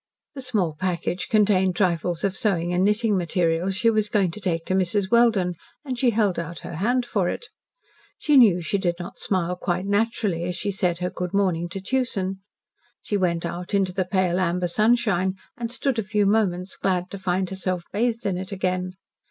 The small package contained trifles of sewing and knitting materials she was going to take to Mrs. Welden, and she held out her hand for it. She knew she did not smile quite naturally as she said her good morning to Tewson. She went out into the pale amber sunshine and stood a few moments, glad to find herself bathed in it again.